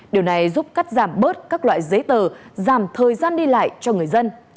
điều này giúp cắt giảm bớt các loại giấy tờ giảm thời gian đi lại cho người dân